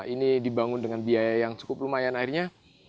ini dibangun dengan biaya yang cukup lumayan akhirnya